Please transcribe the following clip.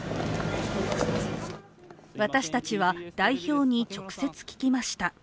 私たちは代表に直接聞きました。